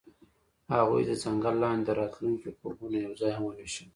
هغوی د ځنګل لاندې د راتلونکي خوبونه یوځای هم وویشل.